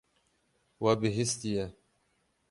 We bihîstiye.